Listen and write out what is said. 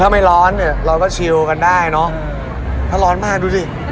ถ้าไม่ร้อนเนี่ยเราก็ชิวกันได้เนอะถ้าร้อนมากดูสิ